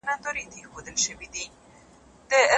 نو د سپیو لارښووني ته محتاج سي